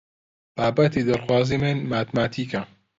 بابەتی دڵخوازی من ماتماتیکە.